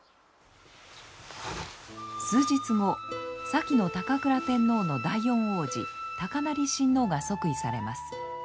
数日後先の高倉天皇の第四皇子尊成親王が即位されます。